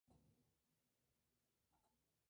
Luego comenzaron a aparecer ciudades fortificadas.